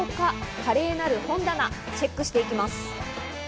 カレーなる本棚、チェックしていきます。